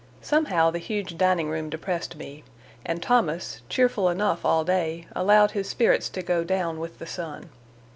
Somehow the huge dining room depressed me, and Thomas, cheerful enough all day, allowed his spirits to go down with the sun.